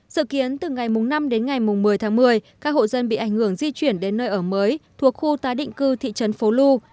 dự kiến từ ngày năm đến ngày một mươi tháng một mươi các hộ dân bị ảnh hưởng di chuyển đến nơi ở mới thuộc khu tái định cư thị trấn phố lu